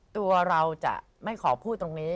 ตัวเราจะไม่ขอพูดตรงนี้